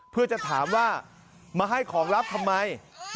เพื่อจะถามว่ามาให้ของรับทำไม